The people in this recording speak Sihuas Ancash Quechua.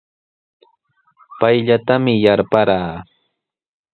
Payllatami yarparaa.